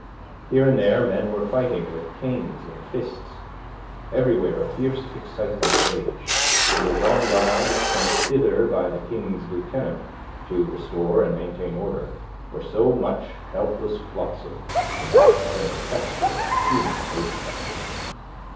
Here and there men were fighting with canes and fists; everywhere a fierce excitement raged, and the gendarmes sent thither by the King's Lieutenant to restore and maintain order were so much helpless flotsam in that tempestuous human ocean.